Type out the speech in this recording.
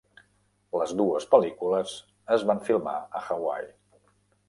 Les dues pel·lícules es van filmar a Hawaii.